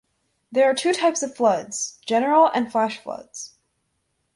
There are two types of floods: general and flash floods.